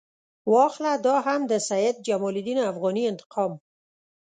واخله دا هم د سید جمال الدین افغاني انتقام.